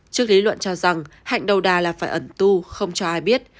trước lý luận cho rằng hạnh đầu đà là phải ẩn tu không cho ai biết